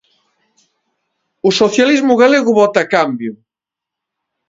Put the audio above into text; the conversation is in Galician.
O socialismo galego vota cambio.